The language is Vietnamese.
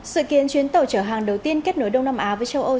sự kiến chuyến tàu chở hàng đầu tiên kết nối đông nam á với châu âu